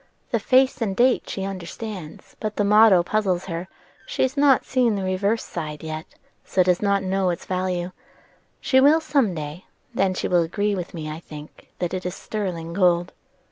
The face and date she understands; but the motto puzzles her, and she has not seen the reverse side yet, so does not know its value. She will some day; and then she will agree with me, I think, that it is sterling gold."